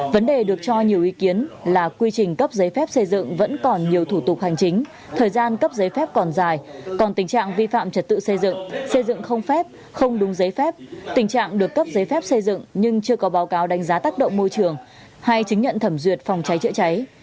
vấn đề được cho nhiều ý kiến là quy trình cấp giấy phép xây dựng vẫn còn nhiều thủ tục hành chính thời gian cấp giấy phép còn dài còn tình trạng vi phạm trật tự xây dựng xây dựng không phép không đúng giấy phép tình trạng được cấp giấy phép xây dựng nhưng chưa có báo cáo đánh giá tác động môi trường hay chứng nhận thẩm duyệt phòng cháy chữa cháy